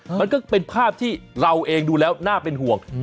มันก็เป็นภาพที่เราเองดูแล้วน่าเป็นห่วง